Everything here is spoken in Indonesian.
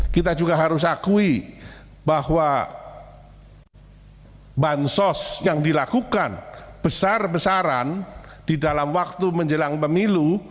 kita juga harus akui bahwa bansos yang dilakukan besar besaran di dalam waktu menjelang pemilu